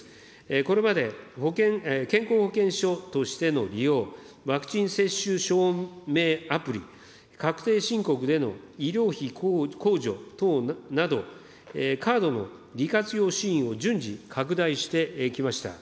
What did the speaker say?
これまで健康保険証としての利用、ワクチン接種証明アプリ、確定申告での医療費控除等など、カードの利活用シーンを順次拡大してきました。